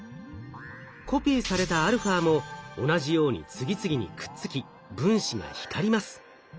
コピーされたαも同じように次々にくっつき分子が光ります。